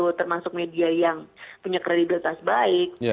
jadi kalau ada yang masuk media yang punya kredibilitas baik